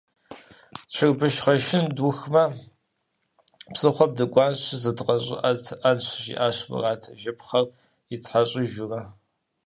«Чэрбыш гъэжын дыухымэ, псыхъуэм дыкӏуэнщи зыдгъэщӏыӏэтыӏэнщ», жиӏащ Мурат, жыпхъэр итхьэщыжурэ.